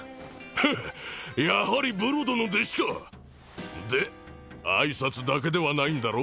フッやはりブロドの弟子かで挨拶だけではないんだろ？